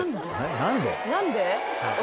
何で？